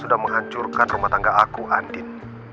sudah menghancurkan rumah tangga aku andin